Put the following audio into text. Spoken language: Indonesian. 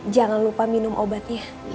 jangan lupa minum obatnya